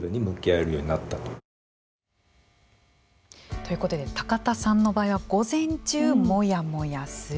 ということで高田さんの場合は午前中、モヤモヤする